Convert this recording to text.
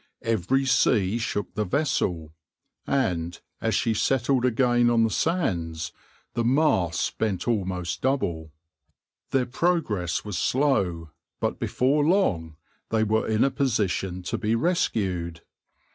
Every sea shook the vessel, and, as she settled again on the sands, the masts bent almost double. Their progress was slow, but before long they were in a position to be rescued.